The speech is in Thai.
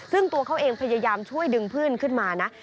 ซึ่งตัวเขาเองพยายามช่วยดึงเพื่อนขึ้นมานะ